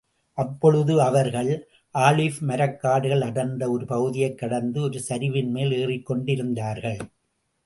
அப்பொழுது அவர்கள் ஆலிவ் மரக்காடுகள் அடர்ந்த ஒரு பகுதியைக் கடந்து ஒரு சரிவின் மேல் ஏறிக் கொண்டிருந்தார்கள்.